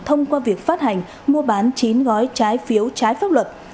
thông qua việc phát hành mua bán chín gói trái phiếu trái pháp luật